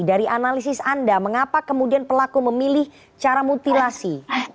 dari analisis anda mengapa kemudian pelaku memilih cara mutilasi